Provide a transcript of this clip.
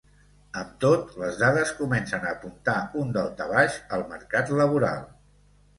Amb tot, les dades comencen a apuntar un daltabaix al mercat laboral.